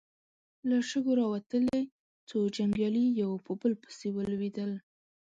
له شګو راوتلې څو جنګيالي يو په بل پسې ولوېدل.